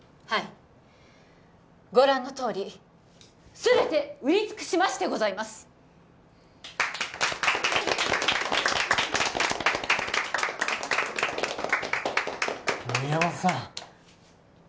はいご覧のとおり全て売りつくしましてございます宮本さん